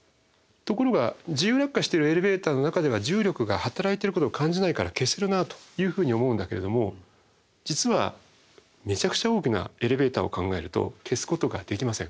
ところが自由落下してるエレベーターの中では重力が働いてることを感じないから消せるなというふうに思うんだけれども実はめちゃくちゃ大きなエレベーターを考えると消すことができません。